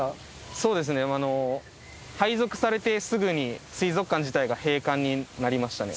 そうですね、配属されてすぐに水族館自体が閉館になりましたね。